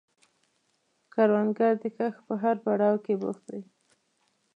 کروندګر د کښت په هر پړاو کې بوخت دی